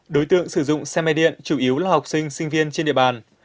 đối tượng sử dụng xe máy điện chủ yếu là học sinh sinh viên trên địa bàn